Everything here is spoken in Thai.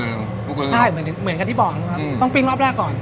ใช่เหมือนกับที่บอกนะครับต้องปิ้งรอบแรกก่อน